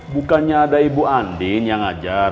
bukannya ada ibu andin yang ngajar